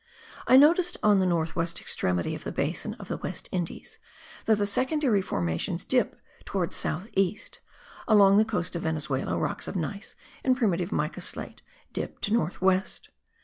I noticed on the north west extremity of the basin of the West Indies that the secondary formations dip towards south east; along the coast of Venezuela rocks of gneiss and primitive mica slate dip to north west.